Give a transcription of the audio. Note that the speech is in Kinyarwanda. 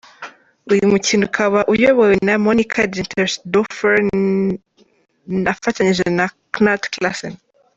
Uyu mukino ukaba uyobowe na Monika Gintersdorfer afatanyije na knut Klassen.